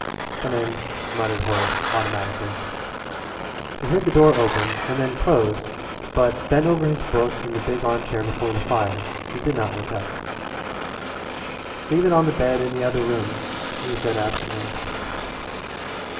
"Come in," muttered Horace automatically. He heard the door open and then close, but, bent over his book in the big armchair before the fire, he did not look up. "Leave it on the bed in the other room," he said absently.